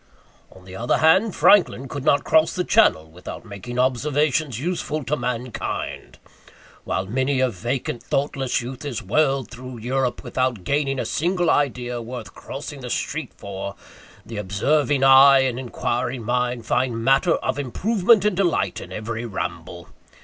On the other hand, Franklin could not cross the Channel without making observations useful to mankind. While many a vacant thoughtless youth is whirled through Europe without gaining a single idea worth crossing the street for, the observing eye and inquiring mind find matter of improvement and delight in every ramble.